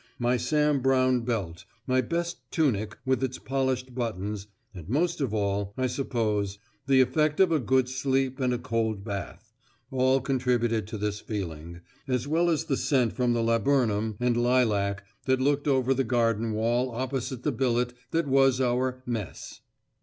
My Sam Browne belt, my best tunic with its polished buttons, and most of all, I suppose, the effect of a good sleep and a cold bath, all contributed to this feeling, as well as the scent from the laburnum and lilac that looked over the garden wall opposite the billet that was our "Mess."